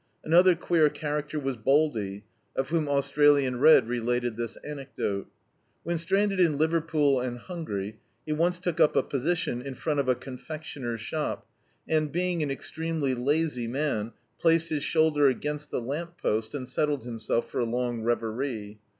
Another queer character was Baldy, of whom Australian Red related this anecdote. When stranded in Liverpool and hungry, he once took up a position in front of a confection er's shop, and, being an extremely lazy man, placed his shoulder against the lamp post, and settled him self for a long reverie.